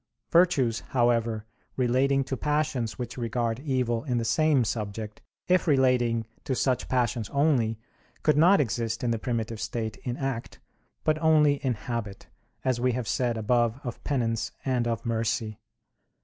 Virtues, however, relating to passions which regard evil in the same subject, if relating to such passions only, could not exist in the primitive state in act, but only in habit, as we have said above of penance and of mercy.